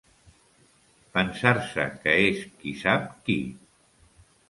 Pensar-se que és qui sap qui.